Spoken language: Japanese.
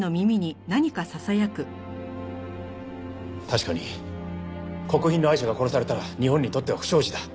確かに国賓のアイシャが殺されたら日本にとっては不祥事だ。